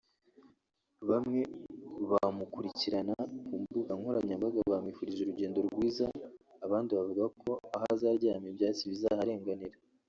Bamwe mu bamukurikirana ku mbuga nkoranyambaga bamwifurije urugendo rwiza abandi bavuga ko aho azaryama ibyatsi bizaharenganira